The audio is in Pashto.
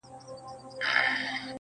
خلک ځغلي تر ملا تر زیارتونو،